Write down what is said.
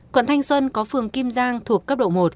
quận thanh xuân có phường kim giang thuộc cấp độ một